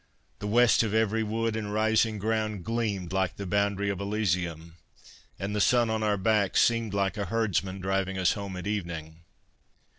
The west of every wood and rising ground gleamed like the boundary of Elysium, and the sun on our backs seemed like a herdsman driving us home at evening.